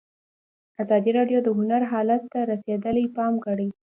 ازادي راډیو د هنر حالت ته رسېدلي پام کړی.